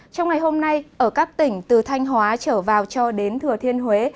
trong ngày hôm nay ở các tỉnh từ thanh hóa trở vào cho đến thừa thiên huế